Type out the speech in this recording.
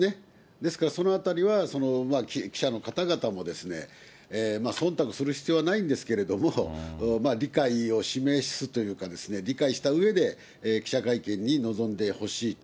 ですから、そのあたりは記者の方々も、そんたくする必要はないんですけれども、理解を示すというかですね、理解したうえで、記者会見に臨んでほしいと。